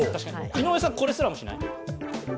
井上さんは、これすらもしない？